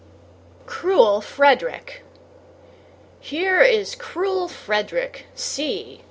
Cruel Frederick Here is cruel Frederick, see!